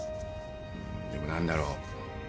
でも何だろう。